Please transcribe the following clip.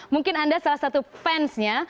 mungkin anda salah satu fansnya